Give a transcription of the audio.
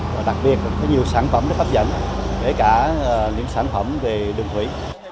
và đặc biệt là có nhiều sản phẩm rất hấp dẫn để cả những sản phẩm về đường thủy